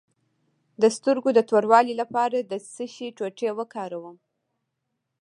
د سترګو د توروالي لپاره د څه شي ټوټې وکاروم؟